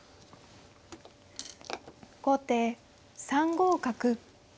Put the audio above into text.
後手３五角。